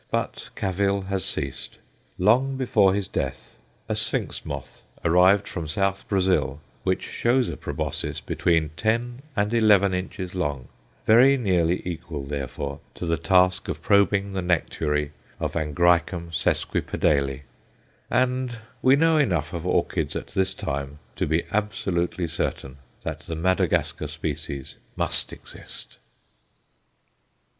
But cavil has ceased. Long before his death a sphinx moth arrived from South Brazil which shows a proboscis between ten and eleven inches long very nearly equal, therefore, to the task of probing the nectary of Angræcum sesquipidale. And we know enough of orchids at this time to be absolutely certain that the Madagascar species must exist.